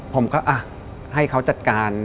ผมก็ให้เขาจัดการ